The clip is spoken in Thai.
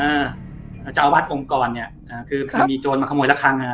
เออเออเออเออเจ้าอาวาสองค์กรน่ะอ่าคือมีโจรมาขโมยระคังน่ะ